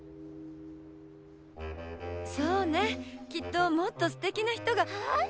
そうねきっともっとすてきな人が。はあ？